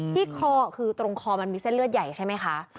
คอคือตรงคอมันมีเส้นเลือดใหญ่ใช่ไหมคะ